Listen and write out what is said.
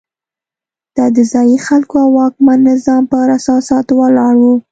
دا د ځايي خلکو او واکمن نظام پر اساساتو ولاړ وو.